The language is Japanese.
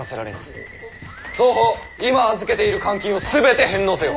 双方今預けている官金を全て返納せよ。